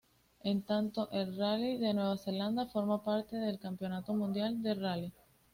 En tanto, el Rally de Nueva Zelanda forma parte del Campeonato Mundial de Rally.